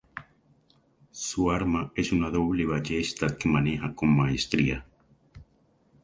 Su arma es una doble ballesta que maneja con maestría.